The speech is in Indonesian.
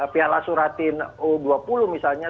piala suratin u dua puluh misalnya